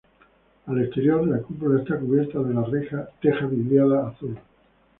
Al exterior, la cúpula está cubierta de la teja vidriada azul.